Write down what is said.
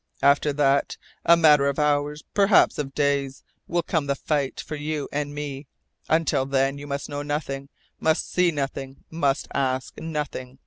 After that a matter of hours, perhaps of days will come the great fight for you and me. Until then you must know nothing, must see nothing, must ask nothing.